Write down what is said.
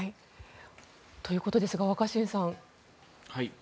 ということですが若新さん。